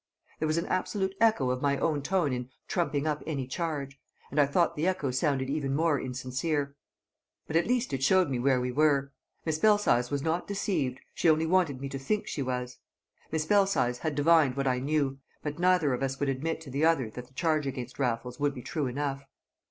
There was an absolute echo of my own tone in "trumping up any charge," and I thought the echo sounded even more insincere. But at least it showed me where we were. Miss Belsize was not deceived; she only wanted me to think she was. Miss Belsize had divined what I knew, but neither of us would admit to the other that the charge against Raffles would be true enough.